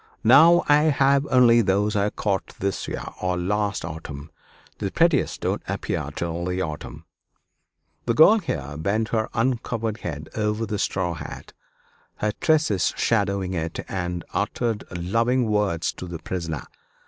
Now I have only those I caught this year, or last autumn; the prettiest don't appear till the autumn." The girl here bent her uncovered head over the straw hat, her tresses shadowing it, and uttered loving words to the prisoner.